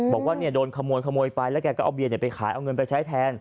บอกว่าเนี่ยโดนขโมยขโมยไปแล้วแกก็เอาเบียนเดี๋ยวไปขายเอาเงินไปใช้แทน